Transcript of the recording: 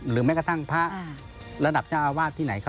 แม้กระทั่งพระระดับเจ้าอาวาสที่ไหน